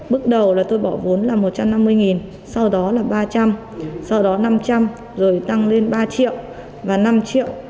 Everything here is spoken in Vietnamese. bước đầu là tôi bỏ vốn là một trăm năm mươi sau đó là ba trăm linh sau đó năm trăm linh rồi tăng lên ba triệu và năm triệu